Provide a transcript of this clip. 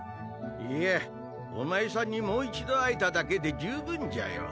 いやお前さんにもう一度会えただけで十分じゃよ。